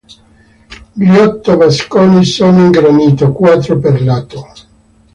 Gli otto vasconi sono in granito, quattro per lato.